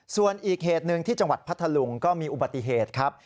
ส่วนอีกเหตุหนึ่งที่จังหวัดพัทธลุงก็มีอุบัติเหตุครับ